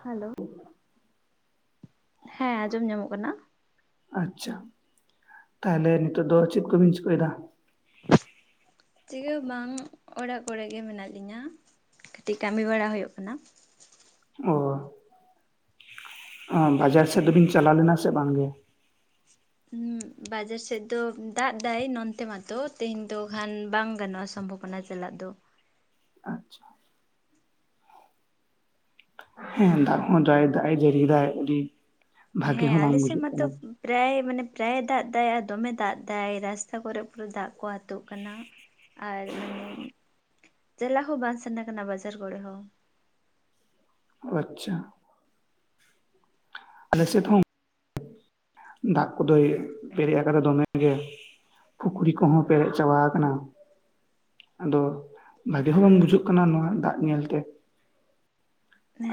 Hello. ᱦᱮᱸ ᱟᱸᱡᱚᱢ ᱧᱟᱢᱚᱜ ᱠᱟᱱᱟ ᱾ ᱟᱪᱪᱷᱟ ᱾ [inaudible] ᱛᱟᱦᱚᱞᱮ ᱱᱤᱛᱚᱜ ᱫᱚ ᱪᱮᱫ ᱠᱚᱵᱤᱱ ᱪᱤᱠᱟᱹᱭᱮᱫᱟ? ᱪᱤᱠᱟᱹ ᱦᱚᱸ ᱵᱟᱝ ᱚᱲᱟᱜ ᱠᱚᱨᱮ ᱜᱮ ᱢᱮᱱᱟᱜ ᱞᱤᱧᱟ ᱠᱟᱹᱴᱤᱡ ᱠᱟᱹᱢᱤ ᱵᱟᱲᱟ ᱦᱩᱭᱩᱜ ᱠᱟᱱᱟ ᱾ ᱚ ᱾ ᱦᱮᱸ ᱵᱟᱡᱟᱨ ᱥᱮᱫ ᱫᱚᱵᱤᱱ ᱪᱟᱞᱟᱣ ᱞᱮᱱᱟ ᱥᱮ ᱵᱟᱝᱜᱮ? ᱵᱟᱡᱟᱨ ᱥᱮᱫ ᱫᱚ ᱫᱟᱜᱽ ᱫᱟᱭ ᱱᱚᱱᱛᱮ ᱢᱟᱛᱚ ᱛᱮᱦᱮᱧ ᱫᱚ ᱠᱷᱟᱱ ᱵᱟᱝ ᱜᱟᱱᱚᱜ-ᱟ ᱥᱚᱢᱵᱷᱚᱵᱚᱱᱟ ᱪᱟᱞᱟᱜ ᱫᱚ᱾ ᱟᱪᱪᱷᱟ᱾ ᱦᱮᱸ ᱫᱟᱜ ᱦᱚᱸ ᱫᱟᱜ ᱮ ᱫᱟᱜ ᱮ ᱡᱟᱹᱨᱤ ᱫᱟᱭ ᱩᱰᱤ, ᱦᱮᱸ ᱟᱞᱮ ᱥᱮᱫ ᱢᱟᱛᱚ ᱯᱨᱟᱭ ᱢᱟᱱᱮ ᱯᱨᱟᱭ ᱮ ᱫᱟᱜ ᱫᱟᱭ ᱟᱨ ᱫᱚᱢᱮ ᱫᱟᱜ ᱫᱟᱭ ᱨᱟᱥᱛᱟ ᱠᱚᱨᱮ ᱯᱩᱨᱟᱹ ᱫᱟᱜ ᱠᱚ ᱟᱛᱳᱜ ᱠᱟᱱᱟ᱾ ᱟᱨ ᱢᱟᱱᱟ, ᱪᱟᱞᱟᱜ ᱦᱚᱸ ᱵᱟᱝ ᱥᱟᱱᱟ ᱠᱟᱱᱟ ᱵᱟᱡᱟᱨ ᱠᱚᱨᱮ ᱦᱚᱸ᱾ ᱚ ᱟᱪᱪᱷᱟ᱾ ᱟᱞᱮ ᱥᱮᱫ ᱦᱚᱸ ᱫᱟᱜ ᱠᱚᱫᱚᱭ ᱯᱮᱨᱮᱡ ᱟᱠᱟᱫᱟ ᱫᱚᱢᱮ ᱜᱮ᱾ ᱯᱩᱠᱷᱨᱤ ᱠᱚᱦᱚᱸ ᱯᱮᱨᱮᱡ ᱪᱟᱵᱟ ᱟᱠᱟᱱᱟ᱾ ᱟᱫᱚ ᱵᱷᱟᱜᱮ ᱦᱚᱸ ᱵᱟᱝ ᱵᱩᱡᱷᱟᱹᱜ ᱠᱟᱱᱟ ᱱᱚᱣᱟ ᱫᱟᱜ ᱧᱮᱞᱛᱮ᱾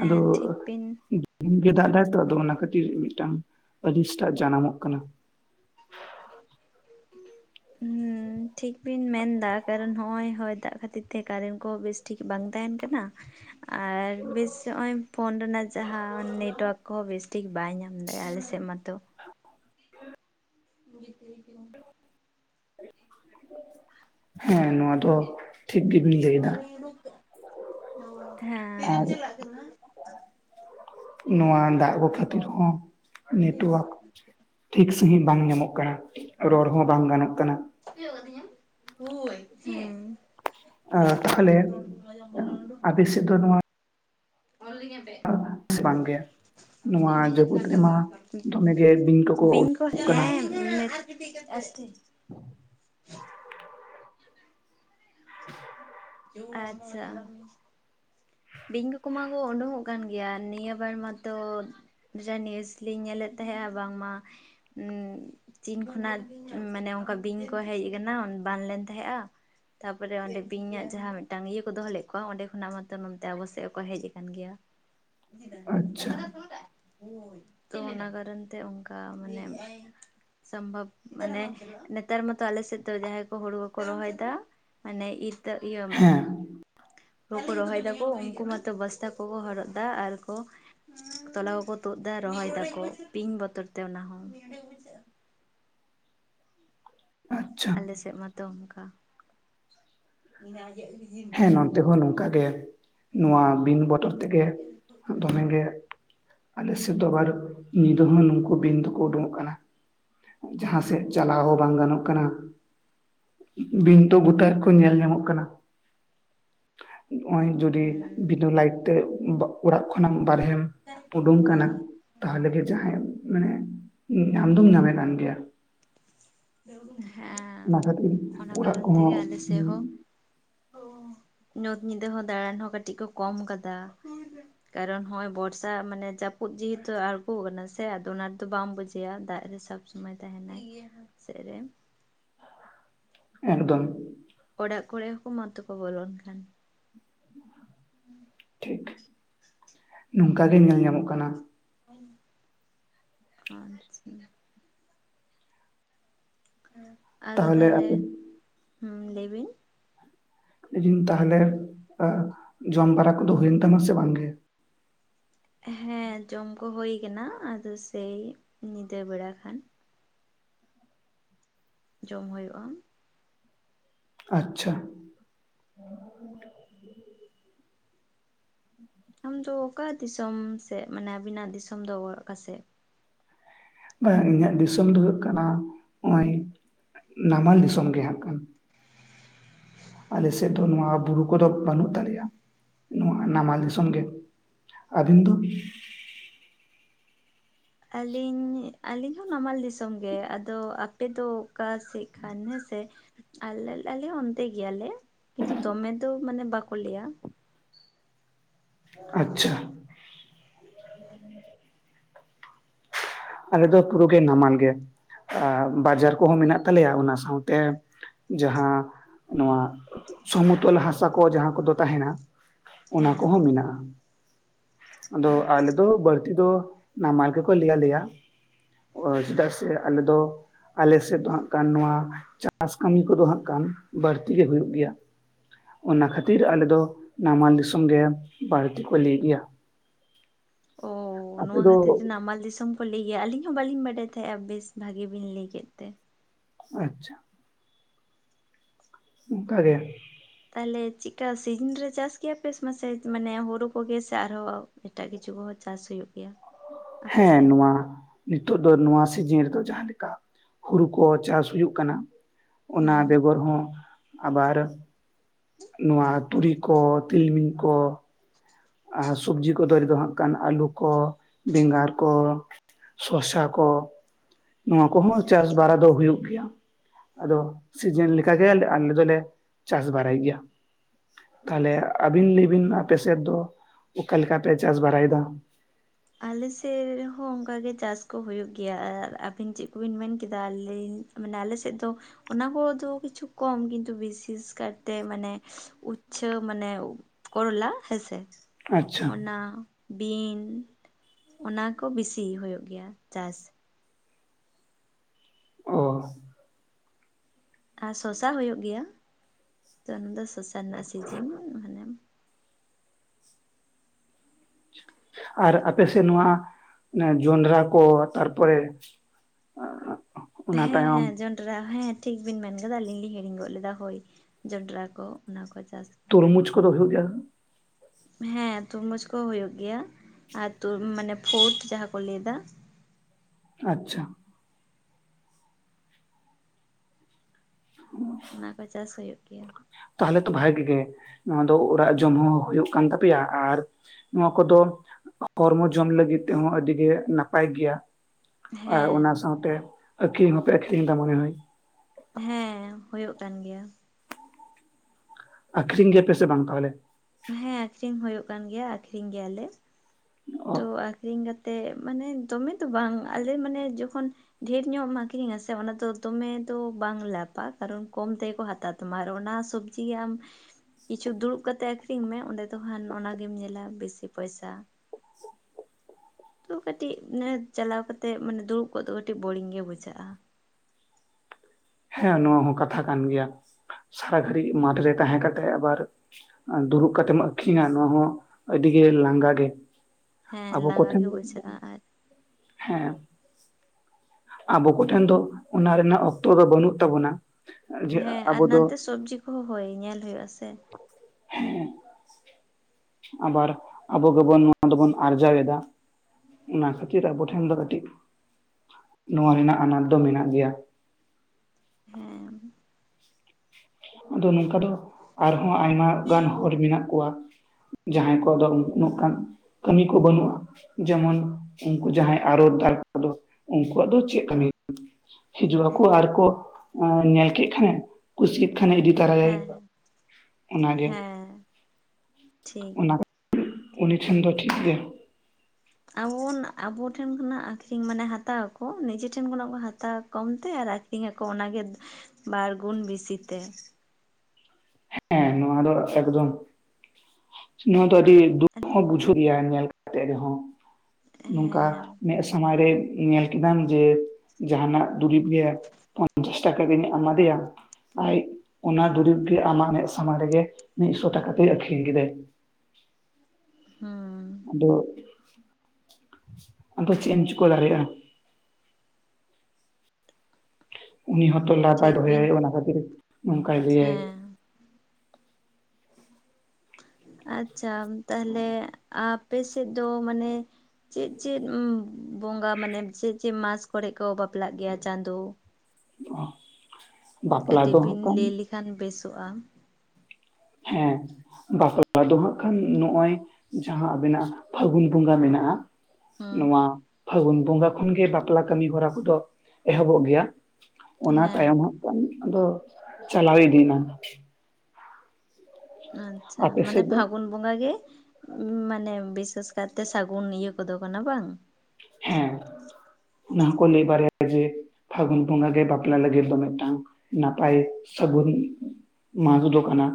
ᱟᱫᱚ, ᱴᱷᱤᱠ ᱵᱤᱱ ᱫᱤᱱ ᱜᱮ ᱫᱟᱜ ᱫᱟᱭ ᱛᱚ ᱚᱱᱟ ᱠᱷᱟᱹᱛᱤᱨ ᱢᱤᱫᱴᱟᱝ ᱟᱲᱤᱥ ᱴᱟᱜ ᱡᱟᱱᱟᱢᱚᱜ ᱠᱟᱱᱟ᱾ ᱦᱩᱸ᱾ ᱴᱷᱤᱠ ᱵᱤᱱ ᱢᱮᱱᱫᱟ ᱠᱟᱨᱚᱱ ᱦᱚᱸᱜ-ᱚᱭ ᱦᱚᱭ ᱫᱟᱜ ᱠᱷᱟᱹᱛᱤᱨ ᱛᱮ ᱠᱟᱨᱮᱱ ᱠᱚ ᱵᱮᱥ ᱴᱷᱤᱠ ᱵᱟᱝ ᱛᱟᱦᱮᱸᱱ ᱠᱟᱱᱟ, ᱟᱨ ᱵᱮᱥ [unintelligible] ᱯᱷᱳᱱ ᱨᱮᱱᱟᱜ ᱡᱟᱦᱟᱸ ᱱᱮᱴᱣᱟᱨᱠ ᱠᱚᱦᱚᱸ ᱵᱮᱥ ᱴᱷᱤᱠ ᱵᱟᱭ ᱧᱟᱢ ᱫᱟᱭ ᱟᱞᱮ ᱥᱮᱫ ᱢᱟᱛᱚ᱾ [inaudible] ᱦᱮᱸ ᱱᱚᱣᱟ ᱫᱚ ᱴᱷᱤᱠ ᱜᱮᱵᱤᱱ ᱞᱟᱹᱭ ᱮᱫᱟ ᱟᱨ [unintelligible] ᱱᱚᱣᱟ ᱫᱟᱜ ᱠᱚ ᱠᱷᱟᱹᱛᱤᱨ ᱦᱚᱸ ᱱᱮᱴᱚᱣᱟᱠ ᱴᱷᱤᱠ ᱥᱟᱺᱦᱤᱡ ᱵᱟᱝ ᱧᱟᱢᱚᱜ ᱠᱟᱱᱟ ᱨᱚᱲ ᱦᱚᱸ ᱵᱟᱝ ᱜᱟᱱᱚᱜ ᱠᱟᱱᱟ᱾ [inaudible] ᱟᱨ [unintelligible] ᱛᱮᱫᱚ ᱱᱚᱣᱟ [unintelligible] ᱵᱟᱝᱜᱮ ᱱᱚᱣᱟ ᱡᱟᱹᱯᱩᱫ ᱨᱮᱢᱟ [unintelligible] ᱫᱚᱢᱮᱜᱮ ᱵᱤᱧ ᱠᱚᱠᱚ ᱩᱰᱩᱠᱚᱜ ᱠᱟᱱᱟ [inaudible] ᱟᱪᱪᱷᱟ᱾ ᱵᱤᱧ ᱠᱚᱠᱚ ᱢᱟᱠᱚ ᱩᱰᱩᱝᱚᱜ ᱠᱟᱱ ᱜᱮᱭᱟ ᱱᱤᱭᱟᱹ ᱵᱟᱨ ᱢᱟᱛᱚ ᱡᱟ ᱱᱤᱭᱩᱡ ᱞᱤᱧ ᱧᱮᱞᱮᱫ ᱛᱟᱦᱮᱸᱜ-ᱟ ᱵᱟᱝᱢᱟ ᱩᱸᱻ ᱪᱤᱱ ᱠᱷᱚᱱᱟᱜ ᱢᱟᱱᱮ ᱚᱝᱠᱟ ᱵᱤᱧ ᱠᱚ ᱦᱮᱡ ᱟᱠᱟᱱᱟ ᱵᱟᱱ ᱞᱮᱱ ᱛᱟᱦᱮᱸᱜᱼᱟ, ᱛᱟᱯᱚᱨᱮ ᱚᱸᱰᱮ ᱵᱤᱧᱟᱜ ᱡᱟᱦᱟᱸ ᱢᱤᱫᱴᱟᱝ ᱤᱭᱟᱹ ᱠᱚ ᱫᱚᱦᱚ ᱞᱮᱜ ᱠᱚᱣᱟ ᱚᱸᱰᱮ ᱠᱷᱚᱱᱟᱜ ᱢᱟᱛᱚ ᱱᱚ ᱛᱮ ᱟᱵᱚ ᱥᱮᱜ ᱦᱚᱸ ᱠᱚ ᱦᱮᱡ ᱟᱠᱟᱱ ᱜᱮᱭᱟ᱾ ᱟᱪᱪᱷᱟ ᱛᱚ ᱚᱱᱟ ᱠᱟᱨᱚᱱ ᱛᱮ ᱚᱝᱠᱟ ᱢᱟᱱᱮ ᱥᱚᱢᱵᱷᱟᱵ, ᱢᱟᱱᱮ ᱱᱮᱛᱟᱨ ᱢᱚᱛᱚ ᱟᱞᱮ ᱥᱮᱫ ᱫᱚ ᱡᱟᱦᱟᱸᱭ ᱠᱚ ᱦᱩᱲᱩ ᱠᱚᱠᱚ ᱨᱚᱦᱚᱭᱮᱫᱟ ᱢᱟᱱᱮ ᱤᱛᱟᱹ ᱤᱭᱟᱹ, ᱦᱮᱸ ᱦᱩᱲᱩ ᱠᱚ ᱨᱚᱦᱚᱭᱮᱫᱟ ᱠᱚ ᱩᱝᱠᱩ ᱢᱟᱛᱚ ᱵᱚᱥᱛᱟ ᱠᱚᱠᱚ ᱦᱚᱨᱚᱜᱮᱫᱟ ᱟᱨ ᱠᱚ ᱛᱚᱞᱟ ᱠᱚᱠᱚ ᱛᱩᱫ ᱮᱫᱟ ᱨᱚᱦᱚᱭ ᱫᱟᱠᱚ ᱵᱤᱧ ᱵᱚᱛᱚᱨ ᱛᱮ ᱚᱱᱟ ᱦᱚᱸ᱾ ᱟᱪᱪᱷᱟ ᱟᱞᱮ ᱥᱮᱜ ᱢᱟᱛᱚ ᱚᱝᱠᱟ᱾ [inaudible] ᱦᱮᱸ ᱱᱚᱱᱛᱮ ᱦᱚᱸ ᱱᱚᱝᱠᱟ ᱜᱮ, ᱱᱚᱣᱟ ᱵᱤᱱ ᱵᱚᱛᱚᱨ ᱛᱮᱜᱮ, ᱫᱚᱢᱮ ᱜᱮ ᱟᱞᱮ ᱥᱮᱫ ᱫᱚ ᱟᱵᱟᱨ ᱧᱤᱫᱟᱹ ᱦᱚᱸ ᱱᱩᱠᱩ ᱵᱤᱧ ᱫᱚᱠᱚ ᱩᱰᱩᱜᱚᱜ ᱠᱟᱱᱟ᱾ ᱡᱟᱦᱟᱸ ᱥᱮᱫ ᱪᱟᱞᱟᱣ ᱦᱚᱸ ᱵᱟᱝ ᱜᱟᱱᱚᱜ ᱠᱟᱱᱟ᱾ ᱵᱤᱧ ᱫᱚ ᱜᱚᱴᱟ ᱜᱮᱠᱚ ᱧᱮᱞ ᱧᱟᱢᱚᱜ ᱠᱟᱱᱟ᱾ ᱱᱚᱜ-ᱚᱭ ᱡᱩᱰᱤ ᱦᱮᱸ ᱵᱤᱱᱟᱹ ᱞᱟᱭᱤᱴ ᱛᱮ ᱚᱲᱟᱜ ᱠᱷᱚᱱᱟᱢ ᱵᱟᱦᱨᱮᱢ ᱩᱰᱩᱝ ᱠᱟᱱᱟ, ᱛᱟᱦᱟᱞᱮ ᱜᱮ ᱡᱟᱦᱟᱸᱭ ᱢᱟᱱᱮ ᱧᱟᱢ ᱫᱚᱢ ᱧᱟᱢᱮ ᱠᱟᱱ ᱜᱮᱭᱟ᱾ ᱦᱮᱸ ᱚᱱᱟ ᱠᱷᱟᱹᱛᱤᱨ ᱚᱱᱟ ᱚᱲᱟᱜ ᱠᱟᱨᱚᱱ ᱠᱚᱦᱚᱸ ᱛᱮᱜᱮ ᱟᱞᱮ ᱥᱮᱫ ᱦᱚᱸ ᱧᱩᱛ ᱧᱤᱫᱟᱹ ᱦᱚᱸ ᱫᱟᱲᱟᱱ ᱦᱚᱸ ᱠᱟᱹᱴᱤᱡ ᱠᱚ ᱠᱚᱢ ᱠᱟᱫᱟ᱾ ᱠᱟᱨᱚᱱ ᱱᱚᱜ-ᱚᱭ ᱵᱚᱨᱥᱟ ᱢᱟᱱᱮ ᱡᱟᱹᱯᱩᱫ ᱡᱤᱩᱤ ᱛᱚ ᱟᱬᱜᱚ ᱠᱟᱱᱟ ᱥᱮ ᱟᱫᱚ ᱚᱱᱟ ᱫᱚ ᱵᱟᱢ ᱵᱩᱡᱷᱟᱹᱭᱟ ᱫᱟᱜ ᱨᱮ ᱥᱟ ᱥᱚᱢᱚᱭ ᱛᱟᱦᱮᱱᱟᱭ ᱥᱮᱫ ᱨᱮ᱾ ᱮᱠᱫᱚᱢ᱾ ᱚᱲᱟᱜ ᱠᱚᱲᱮ ᱦᱚᱸ ᱢᱟ ᱛᱚᱠᱚ ᱵᱚᱞᱚᱱ ᱠᱷᱟᱱ᱾ ᱴᱷᱤᱠ ᱱᱚᱝᱠᱟ ᱜᱮ ᱧᱮᱞ ᱧᱟᱢᱚᱜ ᱠᱟᱱᱟ᱾ ᱟᱪᱷᱟ ᱾ ᱟᱫᱚ ᱛᱟᱦᱚᱞᱮ ᱦᱩᱸ ᱞᱟᱹᱭ ᱵᱤᱱ᱾ ᱞᱮᱭᱫᱤᱧ ᱛᱟᱦᱟᱞᱮ ᱡᱚᱢ ᱵᱟᱲᱟ ᱠᱚᱫᱚ ᱦᱩᱭᱮᱱ ᱛᱟᱢᱟ ᱥᱮ ᱵᱟᱝᱜᱮ? ᱦᱮᱸ ᱡᱚᱢ ᱠᱚ ᱦᱳᱭ ᱠᱟᱱᱟ ᱟᱫᱚ ᱥᱮᱭ ᱧᱤᱫᱟᱹ ᱵᱮᱲᱟ ᱠᱷᱟᱱ ᱡᱚᱢ ᱦᱩᱭᱩᱜᱼᱟ᱾ ᱟᱪᱷᱟ᱾ ᱟᱢᱫᱚ ᱚᱠᱟ ᱫᱤᱥᱚᱢ ᱥᱮᱫ ᱢᱟᱱᱮ ᱟᱵᱤᱱᱟᱜ ᱫᱤᱥᱚᱢ ᱫᱚ ᱚᱠᱟᱥᱮᱫ? ᱫᱚ [inaudible] ᱦᱩᱭᱩᱜ ᱠᱟᱱᱟ ᱱᱚᱜᱼᱚᱭ ᱱᱟᱢᱟᱞ ᱫᱤᱥᱚᱢ ᱜᱮ ᱦᱟᱸᱜ ᱠᱟᱱᱟ ᱾ ᱟᱞᱮᱥᱮᱫ ᱫᱚ ᱱᱚᱣᱟ ᱵᱩᱨᱩ ᱠᱚᱫᱚ ᱵᱟᱹᱱᱩᱜ ᱛᱟᱞᱮᱭᱟ ᱱᱚᱣᱟ ᱱᱟᱢᱟᱞ ᱫᱤᱥᱚᱢ ᱜᱮ ᱾ ᱟᱹᱵᱤᱱ ᱫᱚ? ᱟᱹᱞᱤᱧ ᱟᱹᱞᱤᱧ ᱦᱚᱸ ᱱᱟᱢᱟᱞ ᱫᱤᱥᱚᱢ ᱜᱮ ᱟᱫᱚ ᱟᱯᱮ ᱫᱚ ᱚᱠᱟ ᱥᱮᱫ ᱠᱷᱟᱱ ᱦᱮᱸᱥᱮ ᱾ ᱟᱞᱮ ᱟᱞᱮ ᱚᱱᱛᱮ ᱜᱮᱭᱟᱞᱮ ᱠᱤᱱᱛᱩ ᱫᱚᱢᱮ ᱫᱚ ᱢᱟᱱᱮ ᱵᱟᱠᱚ ᱞᱟᱹᱭᱟ ᱾ ᱟᱪᱷᱟ᱾ ᱟᱞᱮ ᱫᱚ ᱯᱩᱨᱩᱜᱮ ᱱᱟᱢᱟᱞ ᱜᱮ ᱾ ᱵᱟᱡᱟᱨ ᱠᱚᱦᱚᱸ ᱢᱮᱱᱟᱜ ᱛᱟᱞᱮᱭᱟ ᱚᱱᱟ ᱥᱟᱶᱛᱮ ᱡᱟᱦᱟᱸ ᱱᱚᱣᱟ ᱥᱚᱢᱚᱭ ᱚᱞ ᱦᱟᱥᱟ ᱠᱚ ᱡᱟᱦᱟᱸ ᱠᱚᱫᱚ ᱛᱟᱦᱮᱱᱟ ᱾ ᱚᱱᱟ ᱦᱮᱸ ᱠᱚᱦᱚᱸ ᱢᱮᱱᱟᱜᱼᱟ ᱟᱫᱚ ᱟᱞᱮ ᱟᱪᱪᱷᱟ ᱫᱚ ᱵᱟᱹᱲᱛᱤ ᱫᱚ, ᱱᱟᱢᱟᱞ ᱜᱮᱠᱚ ᱞᱟᱹᱭᱟ ᱞᱮᱭᱟ ᱪᱮᱫᱟᱜ ᱥᱮ ᱟᱞᱮ ᱫᱚ, ᱟᱞᱮ ᱥᱮᱫ ᱫᱚ ᱦᱟᱸᱜ ᱠᱷᱟᱱ ᱱᱚᱣᱟ ᱪᱟᱥ ᱠᱟᱹᱢᱤ ᱠᱚᱫᱚ ᱦᱟᱸᱜ ᱠᱷᱟᱱ ᱵᱟᱹᱲᱛᱤ ᱜᱮ ᱦᱩᱭᱩᱜ ᱜᱮᱭᱟ ᱾ ᱚᱱᱟ ᱠᱷᱟᱹᱛᱤᱨ ᱟᱞᱮ ᱫᱚ ᱱᱟᱢᱟᱞ ᱫᱤᱥᱚᱢ ᱜᱮ ᱵᱟᱹᱲᱛᱤᱠᱚ ᱞᱟᱹᱭ ᱜᱮᱭᱟ ᱾ ᱚ ᱱᱚᱣᱟ ᱫᱚ ᱠᱷᱟᱹᱛᱤᱨ ᱛᱮ ᱱᱟᱢᱟᱞ ᱫᱤᱥᱚᱢ ᱠᱚ ᱞᱟᱹᱭ ᱜᱮᱭᱟ ᱟᱹᱞᱤᱧ ᱦᱚᱸ ᱵᱟᱹᱞᱤᱧ ᱵᱟᱰᱟᱭ ᱛᱟᱦᱮᱸᱜᱼᱟ ᱵᱮᱥ ᱵᱷᱟᱹᱜᱤ ᱵᱤᱱ ᱞᱟᱹᱭ ᱠᱮᱫᱛᱮ ᱾ ᱟᱪᱷᱟ᱾ ᱵᱷᱟᱜᱮ ᱾ ᱛᱟᱦᱚᱞᱮ ᱪᱮᱫᱠᱟ ᱥᱤᱡᱤᱱ ᱨᱮ ᱪᱟᱥ ᱜᱮᱭᱟᱯᱮ ᱢᱟᱥᱮ ᱢᱟᱱᱮ ᱦᱩᱲᱩ ᱠᱚᱜᱮ ᱥᱮ ᱟᱨᱦᱚᱸ ᱮᱴᱟᱜ ᱠᱤᱪᱷᱩ ᱠᱚᱦᱚᱸ ᱪᱟᱥ ᱦᱩᱭᱩᱜ ᱜᱮᱭᱟ? ᱟᱯᱮ ᱦᱮᱸ ᱥᱮᱫ ᱱᱚᱣᱟ ᱱᱤᱛᱚᱜ ᱫᱚ ᱱᱚᱣᱟ ᱥᱤᱡᱤᱱ ᱨᱮᱫᱚ ᱡᱟᱦᱟᱸ ᱞᱮᱠᱟ ᱦᱩᱲᱩ ᱠᱚ ᱪᱟᱥ ᱦᱩᱭᱩᱜ ᱠᱟᱱᱟ ᱾ ᱚᱱᱟ ᱦᱩᱸ ᱵᱮᱜᱚᱨ ᱦᱚᱸ ᱟᱵᱟᱨ, ᱱᱚᱣᱟ ᱛᱩᱲᱤ ᱠᱚ, ᱛᱤᱞᱢᱤᱧ ᱠᱚ, ᱟᱨ ᱥᱚᱵᱽᱡᱤ ᱠᱚᱫᱚ ᱟᱹᱨᱤᱫᱚ ᱟᱹᱞᱩ ᱠᱚ, ᱵᱮᱸᱜᱟᱲ ᱠᱚ, ᱥᱚᱥᱟ ᱠᱚ, ᱱᱚᱣᱟ ᱠᱚᱦᱚᱸ ᱪᱟᱥ ᱟᱪᱪᱷᱟ ᱵᱟᱲᱟ ᱫᱚ ᱦᱩᱭᱩᱜ ᱜᱮᱭᱟ ᱾ ᱟᱫᱚ ᱥᱤᱡᱮᱱ ᱞᱮᱠᱟ ᱜᱮ ᱟᱞᱮ ᱫᱚᱞᱮ ᱪᱟᱥ ᱵᱟᱲᱟᱭ ᱜᱮᱭᱟ ᱾ ᱛᱟᱦᱚᱞᱮ ᱟᱵᱤᱱ ᱞᱟᱹᱭ ᱟᱯᱮ ᱥᱮᱫ ᱫᱚ ᱚᱠᱟ ᱞᱮᱠᱟ ᱯᱮ ᱪᱟᱥ ᱵᱟᱲᱟᱭ ᱮᱫᱟ? ᱟᱞᱮ ᱥᱮᱫ ᱨᱮᱦᱚᱸ ᱚᱱᱠᱟᱜᱮ ᱪᱟᱥ ᱠᱚ ᱦᱩᱭᱩᱜ ᱜᱮᱭᱟ ᱟᱨ ᱟᱹᱵᱤᱱ ᱪᱮᱫ ᱠᱚᱵᱤᱱ ᱢᱮᱱ ᱠᱮᱫᱟ ᱟᱹᱞᱤᱧ ᱢᱟᱱᱮ ᱟᱞᱮᱥᱮᱫ ᱫᱚ ᱚᱱᱟ ᱠᱚᱫᱚ ᱠᱤᱪᱷᱩ ᱠᱚᱢ ᱠᱤᱱᱛᱩ ᱵᱤᱥᱮᱥ ᱠᱟᱨᱛᱮ ᱢᱟᱱᱮ, ᱩᱪᱪᱷᱟ ᱢᱟᱱᱮ ᱠᱚᱨᱞᱟ ᱦᱮᱸᱥᱮ ᱾ ᱟᱪᱪᱷᱟ ᱚᱱᱟ ᱵᱤᱱ, ᱚᱱᱟ ᱠᱚ ᱵᱮᱥᱤ ᱦᱩᱭᱩᱜ ᱜᱮᱭᱟ ᱪᱟᱥ ᱾ ᱚᱻ ᱟᱨ ᱥᱚᱥᱟ ᱦᱩᱭᱩᱜ ᱜᱮᱭᱟ ᱛᱚ ᱚᱱᱟ ᱫᱚ ᱥᱚᱥᱟ ᱨᱮᱱᱟᱜ ᱥᱤᱡᱤᱱ ᱢᱟᱱᱮ, ᱟᱨ ᱟᱯᱮ ᱥᱮᱫ ᱱᱚᱣᱟ ᱡᱚᱱᱰᱨᱟ ᱠᱚ ᱛᱟᱨᱯᱚᱨᱮ [unintelligible] ᱦᱮᱸ ᱛᱟᱭᱚᱢ ᱡᱚᱱ ᱡᱚᱱᱰᱨᱟ ᱦᱮᱸ ᱴᱷᱤᱠ ᱵᱤᱱ ᱢᱮᱱ ᱟᱠᱟᱫᱟ ᱟᱹᱞᱤᱧ ᱞᱤᱧ ᱦᱤᱲᱤᱧ ᱜᱚᱫ ᱞᱮᱫᱟ ᱦᱳᱭ ᱡᱚᱱᱰᱨᱟ ᱠᱚ ᱚᱱᱟ ᱠᱚ ᱪᱟᱥ ᱛᱩᱨᱢᱩᱡᱽ ᱠᱚᱫᱚ ᱦᱩᱭᱩᱜ ᱜᱮᱭᱟ? ᱦᱮᱸ ᱛᱩᱨᱢᱩᱡᱽ ᱠᱚ ᱦᱩᱭᱩᱜ ᱜᱮᱭᱟ ᱟᱨ ᱛᱩᱨ ᱢᱟᱱᱮ ᱯᱷᱩᱨᱰ ᱡᱟᱦᱟᱸ ᱠᱚ ᱞᱟᱹᱭ ᱮᱫᱟ, ᱟᱪᱪᱷᱟ, ᱚᱱᱟ ᱠᱚ ᱪᱟᱥ ᱦᱩᱭᱩᱜ ᱜᱮᱭᱟ ᱾ ᱛᱟᱦᱚᱞᱮ ᱛᱚ ᱵᱷᱟᱜᱮ ᱜᱮ ᱱᱚᱣᱟ ᱫᱚ ᱚᱲᱟᱜ ᱡᱚᱢ ᱦᱚᱸ ᱦᱩᱭᱩᱜ ᱠᱟᱱ ᱛᱟᱯᱮᱭᱟ ᱟᱨ ᱱᱚᱣᱟ ᱠᱚᱫᱚ ᱠᱚᱨᱢᱚ ᱡᱚᱢ ᱞᱟᱹᱜᱤᱫ ᱛᱮᱦᱚᱸ ᱟᱹᱰᱤ ᱜᱮ ᱱᱟᱯᱟᱭ ᱜᱮᱭᱟ ᱾ ᱟᱨ ᱦᱮᱸ ᱚᱱᱟ ᱥᱟᱶᱛᱮ ᱟᱹᱠᱷᱨᱤᱧ ᱦᱚᱸᱯᱮ ᱟᱹᱠᱷᱨᱤᱧ ᱮᱫᱟ ᱢᱚᱱᱮ ᱦᱚᱭ, ᱦᱮᱸ ᱦᱩᱭᱩᱜ ᱠᱟᱱ ᱜᱮᱭᱟ ᱾ ᱟᱹᱠᱷᱨᱤᱧ ᱜᱮᱭᱟᱯᱮ ᱥᱮ ᱵᱟᱝ ᱛᱟᱦᱚᱞᱮ? ᱦᱮᱸ ᱟᱹᱠᱷᱨᱤᱧ ᱦᱩᱭᱩᱜ ᱠᱟᱱ ᱜᱮᱭᱟ ᱟᱹᱠᱷᱨᱤᱧ ᱜᱮᱭᱟᱞᱮ ᱾ ᱛᱚ ᱟᱠᱷᱨᱤᱧ ᱠᱟᱛᱮᱫ ᱢᱟᱱᱮ ᱫᱚᱢᱮ ᱫᱚ ᱵᱟᱝ ᱟᱞᱮ ᱢᱟᱱᱮ ᱡᱚᱠᱷᱚᱱ ᱰᱷᱮᱨ ᱧᱚᱜ ᱮᱢ ᱟᱠᱷᱨᱤᱧᱟ ᱥᱮ ᱚᱱᱟ ᱫᱚ ᱫᱚᱢᱮ ᱫᱚ ᱵᱟᱝ ᱞᱟᱵᱷᱼᱟ ᱠᱟᱨᱚᱱ ᱠᱚᱢ ᱛᱮ ᱠᱚ ᱦᱟᱛᱟᱣ ᱛᱚᱢᱟᱨ ᱚᱱᱟ ᱥᱚᱵᱽᱡᱤ ᱜᱮ ᱟᱢ ᱠᱤᱪᱷᱩ ᱫᱩᱲᱩᱵ ᱠᱟᱛᱮ ᱟᱠᱷᱨᱤᱧ ᱢᱮ, ᱚᱸᱰᱮ ᱫᱚ ᱠᱷᱟᱱ ᱚᱱᱟ ᱜᱮᱢ ᱧᱮᱞᱟ ᱵᱮᱥᱤ ᱯᱚᱭᱥᱟ᱾ ᱛᱚ ᱠᱟᱹᱴᱤᱡ ᱢᱟᱱᱮ ᱪᱟᱞᱟᱣ ᱠᱟᱛᱮᱫ ᱢᱟᱱᱮ ᱫᱩᱲᱩᱵ ᱠᱚᱜ ᱫᱚ ᱠᱟᱹᱴᱤᱡ ᱵᱩᱨᱤᱝ ᱜᱮ ᱵᱩᱡᱷᱟᱹᱜᱼᱟ᱾ ᱦᱮᱸ ᱱᱚᱶᱟ ᱦᱚᱸ ᱠᱟᱛᱷᱟ ᱠᱟᱱ ᱜᱮᱭᱟ, ᱥᱟᱨᱟ ᱜᱷᱟᱹᱲᱤᱡ ᱢᱟᱴᱷ ᱨᱮ ᱛᱟᱦᱮᱸ ᱠᱟᱛᱮᱜ ᱟᱵᱟᱨ ᱫᱩᱲᱩᱵ ᱠᱟᱛᱮᱢ ᱟᱠᱷᱨᱤᱧᱟ ᱱᱚᱣᱟ ᱦᱚᱸ ᱟᱹᱰᱤ ᱜᱮ ᱞᱟᱸᱜᱟ ᱜᱮ, ᱦᱮᱸ ᱟᱵᱚ ᱞᱟᱸᱜᱟ ᱠᱚᱴᱷᱮᱱ ᱜᱮ ᱵᱩᱡᱷᱟᱹᱜᱼᱟ ᱟᱨ ᱦᱮᱸ, ᱟᱵᱚ ᱠᱚ ᱴᱷᱮᱱ ᱫᱚ, ᱚᱱᱟ ᱨᱮᱱᱟᱜ ᱚᱠᱛᱚ ᱫᱚ ᱵᱟᱹᱱᱩᱜ ᱛᱟᱵᱚᱱᱟ᱾ ᱡᱮ ᱦᱮᱸ ᱟᱨ ᱟᱵᱚ ᱫᱚ ᱱᱟᱱᱛᱮ ᱥᱚᱵᱽᱡᱤ ᱠᱚᱦᱚᱸ ᱦᱳᱭ ᱧᱮᱞ ᱦᱩᱭᱩᱜ-ᱟ ᱥᱮ᱾ ᱟᱵᱟᱨ ᱟᱵᱚ ᱜᱮᱵᱚᱱ ᱱᱚᱣᱟ ᱫᱚᱵᱚᱱ ᱟᱨᱡᱟᱣ ᱮᱫᱟ᱾ ᱚᱱᱟ ᱠᱷᱟᱹᱛᱤᱨ ᱟᱵᱚ ᱴᱷᱮᱱ ᱫᱚ ᱠᱟᱹᱴᱤᱡ, ᱱᱚᱣᱟ ᱨᱮᱱᱟᱜ ᱟᱱᱟᱴ ᱢᱮᱱᱟᱜ ᱜᱮᱭᱟ᱾ ᱦᱮᱸ᱾ ᱟᱫᱚ ᱱᱚᱝᱠᱟ ᱫᱚ, ᱟᱨᱦᱚᱸ ᱟᱭᱢᱟ ᱜᱟᱱ ᱦᱚᱲ ᱢᱮᱱᱟᱜ ᱠᱚᱣᱟ, ᱡᱟᱦᱟᱸᱭ ᱠᱚᱣᱟᱜ ᱫᱚ ᱱᱚᱝᱠᱟᱱ ᱠᱟᱹᱢᱤ ᱠᱚ ᱵᱟᱹᱱᱩᱜᱼᱟ, ᱡᱮᱢᱚᱱ ᱩᱱᱠᱩ ᱡᱟᱦᱟᱸᱭ ᱟᱨᱚᱛ ᱫᱟᱨ ᱠᱚᱫᱚ ᱩᱱᱠᱩᱣᱟᱜ ᱫᱚ ᱪᱮᱫ ᱠᱟᱹᱢᱤ, ᱦᱤᱡᱩᱜ ᱟᱠᱚ ᱟᱨᱠᱚ ᱧᱮᱞ ᱠᱮᱫ ᱠᱷᱟᱱᱮ, ᱠᱩᱥᱤᱫ ᱠᱷᱟᱱᱮ ᱤᱫᱤ ᱛᱟᱨᱟᱭᱟᱭ, ᱦᱮᱸ ᱚᱱᱟᱜᱮ, ᱦᱮᱸ ᱴᱷᱤᱠ ᱚᱱᱟ ᱩᱱᱤ ᱴᱷᱮᱱ ᱫᱚ ᱴᱷᱤᱠ ᱜᱮ᱾ ᱟᱵᱚᱱ ᱟᱵᱚ ᱴᱷᱮᱱ ᱠᱷᱚᱱᱟᱜ ᱟᱹᱠᱷᱨᱤᱧ ᱢᱟᱱᱮ ᱦᱟᱛᱟᱣᱟ ᱟᱠᱚ ᱱᱤᱡᱮ ᱴᱷᱮᱱ ᱠᱷᱚᱱᱟᱜ ᱠᱚ ᱦᱟᱛᱟᱣᱟ ᱠᱚᱢᱛᱮ ᱟᱨ ᱟᱠᱷ ᱨᱤᱧ ᱟᱠᱚ ᱚᱱᱟᱜᱮ ᱵᱟᱨᱜᱩᱱ ᱵᱤᱥᱤ ᱛᱮ᱾ ᱦᱮᱸ ᱱᱚᱣᱟ ᱫᱚ ᱮᱠᱫᱚᱢ, ᱱᱚᱣᱟ ᱫᱚ ᱟᱹᱰᱤ ᱫᱩᱠ ᱦᱚᱸ ᱵᱩᱡᱷᱟᱹ ᱜᱮᱭᱟ ᱧᱮᱞ ᱠᱟᱛᱮ ᱨᱮᱦᱚᱸ, ᱱᱚᱝᱠᱟ ᱦᱮᱸ ᱢᱮᱫ ᱥᱟᱢᱟᱝ ᱨᱮ ᱧᱮᱞ ᱠᱮᱫᱟᱢ ᱡᱮ ᱡᱟᱦᱟᱸᱱᱟᱜ ᱫᱩᱨᱤᱵᱽ ᱜᱮ, ᱯᱚᱧᱪᱟᱥ ᱴᱟᱠᱟ ᱛᱮᱢ ᱮᱢᱟ ᱫᱮᱭᱟ, ᱟᱡ ᱚᱱᱟ ᱫᱩᱨᱤᱵᱽ ᱜᱮ ᱟᱢᱟᱜ ᱢᱮᱜ ᱥᱟᱢᱟᱝ ᱨᱮᱜᱮ ᱢᱤᱜᱥᱚ ᱴᱟᱠᱟ ᱛᱮᱭ ᱟᱹᱠᱷᱨᱤᱧ ᱠᱮᱫᱟᱭ᱾ ᱦᱩᱸ᱾ ᱟᱫᱚ᱾ ᱟᱫᱚ ᱪᱮᱜ ᱮᱢ ᱪᱤᱠᱳ ᱫᱟᱲᱮᱜ-ᱟ᱾ ᱩᱱᱤ ᱦᱚᱸ ᱛᱚ ᱞᱟᱵᱷ ᱟᱭ ᱴᱷᱤᱠ ᱵᱤᱱ ᱫᱚᱦᱚᱭᱟᱭ ᱚᱱᱟ ᱠᱷᱟᱛᱤᱨ ᱚᱝᱠᱟᱭ ᱞᱟᱹᱭᱟᱭ᱾ ᱦᱮᱸ [inaudible] ᱟᱪᱪᱷᱟ ᱛᱟᱦᱞᱮ ᱟᱯᱮ ᱥᱮᱜ ᱫᱚ ᱢᱟᱱᱮ᱾ ᱪᱮᱫ ᱪᱮᱫ ᱵᱚᱸᱜᱟ ᱢᱟᱱᱮ ᱪᱮᱜ ᱪᱮᱜ ᱢᱟᱥ ᱠᱚᱨᱮ ᱠᱚ ᱵᱟᱯᱞᱟᱜ ᱜᱮᱭᱟ ᱪᱟᱸᱫᱳ᱾ ᱚᱦ ᱵᱟᱯᱞᱟ ᱫᱚ ᱦᱟᱸᱜ ᱠᱷᱟᱱ᱾ ᱠᱷᱟᱱ ᱵᱮᱥᱚᱜ-ᱟ᱾ ᱦᱮᱸ᱾ ᱵᱟᱯᱞᱟ ᱫᱚ ᱦᱟᱸᱜ ᱠᱷᱟᱱ ᱱᱚᱜ-ᱚᱭ ᱡᱟᱸᱦᱟ ᱟᱵᱮᱱᱟᱜ ᱯᱷᱟᱜᱩᱱ ᱵᱚᱸᱜᱟ ᱢᱮᱱᱟᱜ-ᱟ᱾ ᱦᱩᱸ ᱱᱚᱣᱟ ᱯᱷᱟᱹᱜᱩᱱ ᱵᱚᱸᱜᱟ ᱠᱷᱚᱱ ᱜᱮ ᱵᱟᱯᱞᱟ ᱠᱟᱢᱤ ᱦᱚᱨᱟ ᱠᱚᱫᱚ ᱮᱦᱚᱵᱚᱜ ᱜᱮᱭᱟ᱾ ᱚᱱᱟ ᱦᱮᱸ ᱛᱟᱭᱚᱢ ᱦᱟᱸᱜ ᱠᱷᱟᱱ ᱟᱫᱚ ᱪᱟᱞᱟᱣ ᱤᱫᱤᱭᱮᱱᱟ᱾ ᱟᱪᱪᱷᱟ ᱟᱯᱮ ᱢᱟᱱᱮ ᱥᱮᱫ ᱫᱚ ᱯᱷᱟᱜᱩᱱ ᱵᱚᱸᱜᱟ ᱜᱮ ᱢᱟᱱᱮ ᱵᱤᱥᱮᱥ ᱠᱟᱨᱛᱮ ᱥᱟᱜᱩᱱ ᱤᱭᱟᱹ ᱠᱚᱫᱚ ᱠᱟᱱᱟ ᱵᱟᱝ? ᱦᱮᱸ, ‌ᱚᱱᱟ ᱦᱚᱸ ᱠᱚ ᱞᱟᱹᱭ ᱵᱟᱨᱟᱭᱟ ᱡᱮ, ᱯᱷᱟᱜᱩᱱ ᱵᱚᱸᱜᱟ ᱜᱮ ᱵᱟᱯᱞᱟ ᱞᱟᱹᱜᱤᱜ ᱫᱚ ᱢᱮᱜᱴᱟᱝ᱾ ᱱᱟᱯᱟᱭ, ᱥᱟᱜᱩᱱ ᱢᱟᱥ ᱫᱚ ᱠᱟᱱᱟ᱾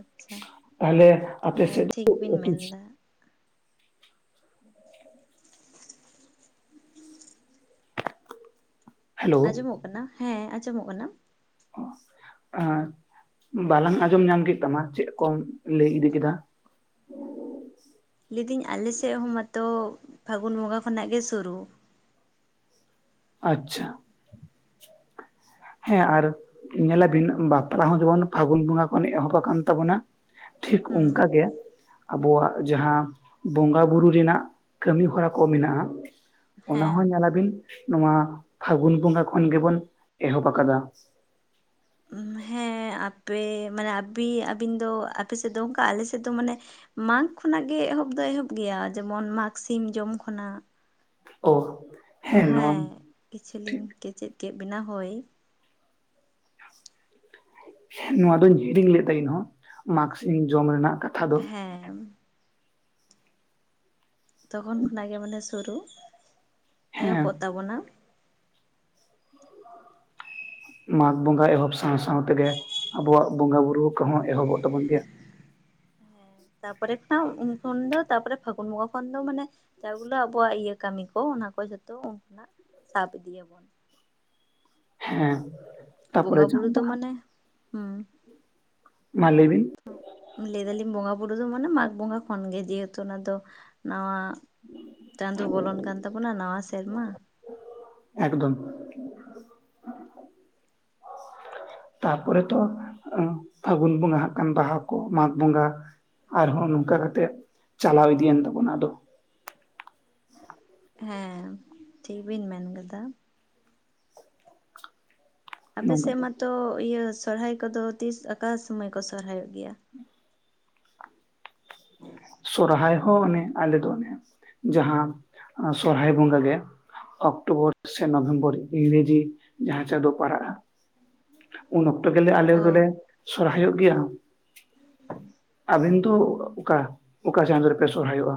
ᱟᱪᱪᱷᱟ ᱛᱟᱦᱞᱮ ᱟᱯᱮ ᱦᱮᱸ ᱥᱮᱜ ᱴᱷᱤᱠ ᱵᱤᱱ [unintelligible] ᱛᱤᱥ᱾ ᱢᱮᱱᱫᱟ ᱦᱮᱞᱳ ᱟᱸᱡᱚᱢᱚᱜ ᱠᱟᱱᱟ? ᱦᱮᱸ ᱟᱸᱡᱚᱢᱚᱜ ᱠᱟᱱᱟ᱾ ᱵᱟᱞᱟᱝ ᱟᱸᱡᱚᱢ ᱧᱟᱢ ᱠᱮᱜ ᱛᱟᱢᱟ ᱪᱮᱜ ᱠᱚᱢ ᱞᱟᱹᱭ ᱤᱫᱤ ᱠᱮᱫᱟ᱾ ᱞᱟᱹᱭᱫᱟᱹᱧ ᱟᱞᱮᱥᱮᱜ ᱦᱚᱸ ᱢᱟᱛᱚ ᱯᱷᱟᱜᱩᱱ ᱵᱚᱸᱜᱟ ᱠᱷᱚᱱᱟᱜ ᱜᱮ ᱥᱩᱨᱩ᱾ ᱟᱪᱪᱷᱟ᱾ ᱦᱮᱸ ᱟᱨ ᱧᱮᱞᱟᱵᱤᱱ ᱵᱟᱯᱞᱟ ᱦᱚᱸ ᱡᱮᱢᱚᱱ ᱯᱷᱟᱜᱩᱱ ᱵᱚᱸᱜᱟ ᱠᱷᱚᱱ ᱮᱦᱚᱵ ᱟᱠᱟᱱ ᱛᱟᱵᱚᱱᱟ᱾ ᱴᱷᱤᱠ ᱦᱩᱸ ᱚᱝᱠᱟᱜᱮ᱾ ᱟᱵᱚᱣᱟᱜ ᱡᱟᱸᱦᱟ ᱵᱚᱸᱜᱟ ᱵᱩᱨᱩ ᱨᱮᱱᱟᱜ ᱠᱟᱹᱢᱤ ᱦᱚᱨᱟ ᱠᱚ ᱢᱮᱱᱟᱜ-ᱟ᱾ ᱚᱱᱟ ᱦᱮᱸ ᱦᱚᱸ ᱧᱮᱞᱟᱵᱤᱱ ᱱᱚᱣᱟ ᱯᱷᱟᱜᱩᱱ ᱵᱚᱸᱜᱟ ᱠᱷᱚᱱ ᱜᱮᱵᱚᱱ ᱮᱦᱚᱵ ᱟᱠᱟᱫᱟ᱾ ᱦᱮᱸ ᱟᱯᱮ ᱢᱟᱱᱮ ᱟᱵᱤ ᱟᱵᱤᱱ ᱫᱚ ᱟᱯᱮ ᱥᱮᱜ ᱫᱚ ᱚᱝᱠᱟ ᱟᱞᱮ ᱥᱮᱫ ᱫᱚ ᱢᱟᱱᱮ᱾ ᱢᱟᱜᱽ ᱠᱷᱚᱱᱟᱜ ᱜᱮ ᱮᱦᱚᱵ ᱫᱚ ᱮᱦᱚᱵ ᱜᱮᱭᱟ ᱡᱮᱢᱚᱱ ᱢᱟᱜᱽ ᱥᱤᱢ ᱡᱚᱢ ᱠᱷᱚᱱᱟᱜ᱾ ᱳ᱾ ᱦᱮᱸ ᱠᱤᱪᱷᱤ ᱞᱤᱧ ᱠᱮᱪᱮᱫ ᱠᱮᱜ ᱵᱤᱱᱟ ᱦᱳᱭ᱾ ᱱᱚᱣᱟ ᱫᱚᱧ ᱦᱤᱲᱤᱧ ᱞᱮᱫ ᱛᱟᱸᱦᱮ ᱤᱧ ᱦᱚᱸ ᱢᱟᱜᱽ ᱥᱤᱢ ᱡᱚᱢ ᱨᱮᱱᱟᱜ ᱠᱟᱛᱷᱟ ᱫᱚ᱾ ᱦᱮᱸ᱾ ᱛᱚᱠᱷᱚᱱ ᱠᱷᱚᱱᱟᱜ ᱜᱮ ᱢᱟᱱᱮ ᱥᱩᱨᱩ ᱦᱮᱸ ᱮᱦᱚᱵᱚᱜ ᱛᱟᱵᱚᱱᱟ᱾ ᱢᱟᱜᱽ ᱵᱚᱸᱜᱟ ᱮᱦᱚᱵ ᱥᱟᱶ ᱥᱟᱶ ᱛᱮᱜᱮ ᱟᱵᱚᱣᱟᱜ ᱵᱚᱸᱜᱟ ᱵᱩᱨᱩ ᱠᱚ ᱦᱚᱸ ᱮᱦᱚᱵᱚᱜ ᱛᱟᱵᱚᱱ ᱜᱮᱭᱟ᱾ ᱛᱟᱯᱚᱨᱮ ᱠᱷᱚᱱᱟᱜ ᱩᱱ ᱠᱷᱚᱱ ᱫᱚ ᱛᱟᱯᱚᱨᱮ ᱯᱷᱟᱜᱩᱱ ᱵᱚᱸᱜᱟ ᱠᱷᱚᱱ ᱫᱚ ᱢᱟᱱᱮ᱾ ᱡᱟ ᱜᱩᱞᱟ ᱟᱵᱚᱣᱟᱜ ᱤᱭᱟᱹ ᱠᱟᱢᱤ ᱠᱚ ᱚᱱᱟ ᱠᱚ ᱡᱷᱚᱛᱚ ᱩᱱ ᱠᱷᱚᱱᱟᱜ ᱥᱟᱵ ᱤᱫᱤᱭᱟᱵᱚᱱ᱾ ᱦᱮᱸ᱾ ᱛᱟᱯᱚᱨᱮ ᱵᱚᱸᱜᱟ ᱵᱩᱨᱩ ᱡᱟᱦᱟᱸ ᱫᱚ ᱵᱟᱦᱟ ᱢᱟᱱᱮ ᱦᱩᱸ᱾ ᱢᱟ ᱞᱟᱹᱭ ᱵᱤᱱ᱾ ᱞᱟᱹᱭ ᱫᱟᱞᱤᱧ ᱵᱚᱸᱜᱟ ᱵᱩᱨᱩ ᱫᱚ ᱢᱟᱱᱮ ᱢᱟᱜᱽ ᱵᱚᱸᱜᱟ ᱠᱷᱚᱱ ᱜᱮ ᱡᱮᱦᱮᱛᱩ ᱚᱱᱟ ᱫᱚ ᱱᱟᱣᱟ᱾ ᱪᱟᱸᱫᱳ ᱵᱚᱞᱚᱱ ᱠᱟᱱ ᱛᱟᱵᱚᱱᱟ ᱱᱟᱣᱟ ᱥᱮᱨᱢᱟ᱾ ᱮᱠᱫᱚᱢ᱾ [unintelligible] ᱛᱟᱯᱚᱨᱮ ᱛᱚ ᱯᱷᱟᱜᱩᱱ ᱵᱚᱸᱜᱟ ᱦᱟᱸᱜ ᱠᱷᱟᱱ ᱵᱟᱦᱟ ᱠᱚ ᱢᱟᱜᱽ ᱵᱚᱸᱜᱟ᱾ ᱟᱨ ᱦᱚᱸ ᱱᱚᱝᱠᱟ ᱠᱟᱛᱮᱜ ᱪᱟᱞᱟᱣ ᱤᱫᱤᱭᱮᱱ ᱛᱟᱵᱚᱱᱟ ᱟᱫᱚ᱾ ᱦᱮᱸ ᱴᱷᱤᱠ ᱵᱤᱱ ᱢᱮᱱ ᱠᱟᱫᱟ᱾ ᱱᱚᱝᱠᱟ ᱟᱯᱮᱥᱮᱫ ᱢᱟᱛᱚ ᱤᱭᱟᱹ ᱥᱚᱨᱦᱟᱭ ᱠᱚ ᱫᱚ ᱛᱤᱥ ᱟᱠᱟ ᱥᱳᱢᱳᱹᱭ ᱠᱚ ᱥᱚᱨᱦᱟᱭᱚᱜ ᱜᱮᱭᱟ? ᱥᱚᱨᱦᱟᱭ ᱦᱚᱸ ᱚᱱᱮ ᱟᱞᱮ ᱫᱚ ᱚᱱᱮ ᱡᱟᱦᱟᱸ ᱥᱚᱨᱦᱟᱭ ᱵᱚᱸᱜᱟ ᱜᱮ᱾ ᱚᱠᱴᱳᱵᱚᱨ ᱥᱮ ᱱᱚᱵᱷᱮᱢᱵᱚᱨ ᱤᱝᱨᱮᱡᱤ ᱡᱟᱦᱟᱸ ᱪᱟᱸᱫᱳ ᱯᱟᱲᱟᱜᱼᱟ᱾ ᱩᱱ ᱚᱠᱛᱚ ᱜᱮᱞᱮ ᱟᱞᱮ ᱚ ᱫᱚᱞᱮ ᱥᱚᱨᱦᱟᱭᱚᱜ ᱜᱮᱭᱟ᱾ ᱨᱤᱱᱛᱩ ᱚᱠᱟ ᱚᱠᱟ ᱪᱟᱸᱫᱳ ᱨᱮᱯᱮ ᱥᱚᱨᱦᱟᱭᱚᱜᱼᱟ?